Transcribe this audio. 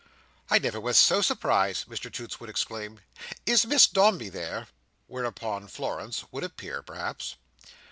"I never was so surprised!" Mr Toots would exclaim.—"Is Miss Dombey there?" Whereupon Florence would appear, perhaps.